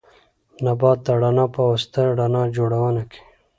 نبات د رڼا په واسطه رڼا جوړونه کوي